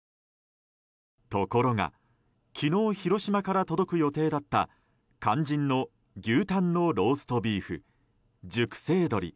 ところが、昨日広島から届く予定だった肝心の牛タンのローストビーフ熟成鶏